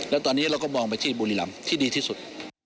แล้วตอนนี้เราก็มองไปที่บุรีรำที่ดีที่สุด